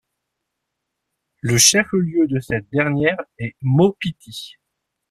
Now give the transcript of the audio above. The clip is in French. Le chef-lieu de cette dernière est Maupiti.